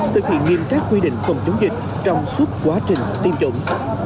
thực hiện nghiêm các quy định phòng chống dịch trong suốt quá trình tiêm chủng